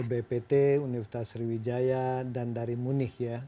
bppt universitas sriwijaya dan dari munich ya